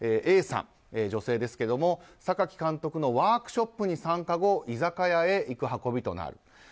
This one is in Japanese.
Ａさん、女性ですが榊監督のワークショップに参加後居酒屋へ行く運びとなる。